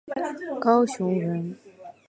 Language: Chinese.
高雄人。